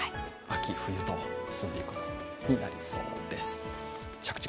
秋冬と進んでいくことになりそうです。